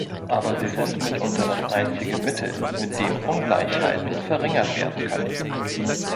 Aber sie sind mitunter das einzige Mittel, mit dem Ungleichheiten verringert werden können.